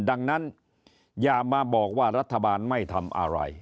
ดังนั้นอย่ามาบอกว่ารัฐบาลไม่ทำอะไร